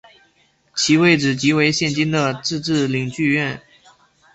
其位置即为现今的自治领剧院。